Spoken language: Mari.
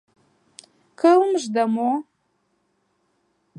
— Кылмышда мо?